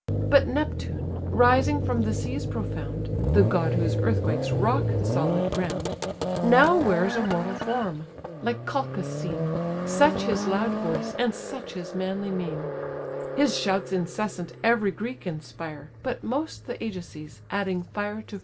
But Neptune, rising from the seas profound, The god whose earthquakes rock the solid ground, Now wears a mortal form; like Calchas seen, Such his loud voice, and such his manly mien; His shouts incessant every Greek inspire, But most the Ajaces, adding fire to fire.